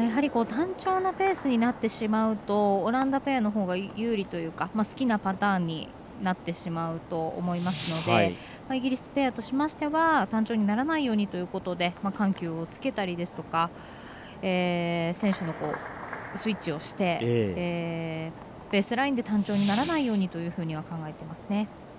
やはり単調なペースになってしまうとオランダペアのほうが有利というか好きなパターンになってしまうと思いますのでイギリスペアとしましては単調にならないということで緩急をつけたりとか選手のスイッチをしてベースラインで単調にならないようにということを考えてますね。